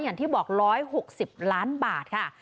อย่างที่บอก๑๖๐ล้านบาทค่ะ